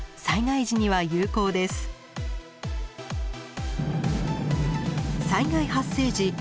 災害発生時